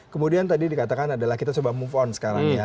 kemudian tadi dikatakan adalah kita coba move on sekarang ya